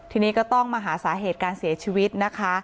ทีนี้ก็ต้องมาหาสาเหตุการเสียชีวิตนะคะ